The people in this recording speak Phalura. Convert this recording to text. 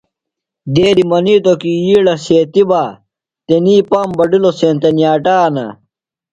دیدیۡ منِیتوۡ کی یِیڑہ سیتیۡ بہ تنیۡ پام بڈِلوۡ سینتہ نِیاٹانہ۔